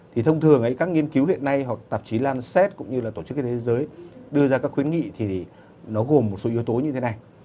thì thông thường các nghiên cứu hiện nay hoặc tạp chí lanset cũng như là tổ chức y tế thế giới đưa ra các khuyến nghị thì nó gồm một số yếu tố như thế này